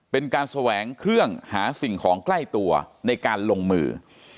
เป็นการแสวงเครื่องหาสิ่งของใกล้ตัวในการลงมือ